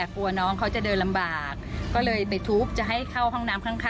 กลัวน้องเขาจะเดินลำบากก็เลยไปทุบจะให้เข้าห้องน้ำข้าง